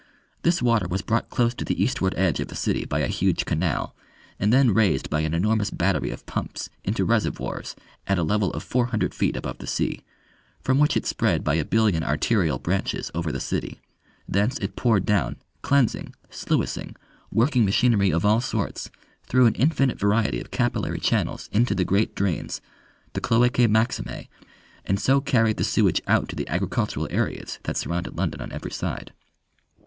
This water was brought close to the eastward edge of the city by a huge canal, and then raised by an enormous battery of pumps into reservoirs at a level of four hundred feet above the sea, from which it spread by a billion arterial branches over the city. Thence it poured down, cleansing, sluicing, working machinery of all sorts, through an infinite variety of capillary channels into the great drains, the cloacae maximae, and so carried the sewage out to the agricultural areas that surrounded London on every side.